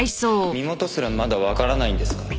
身元すらまだわからないんですか？